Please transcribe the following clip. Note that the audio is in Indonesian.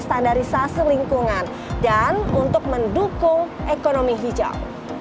standarisasi lingkungan dan untuk mendukung ekonomi hijau